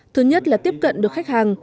thứ nhất là tiếp cận được khách hàng